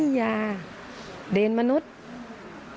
คุณพ่อครับสารงานต่อของคุณพ่อครับ